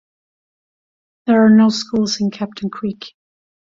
There are no schools in Captain Creek.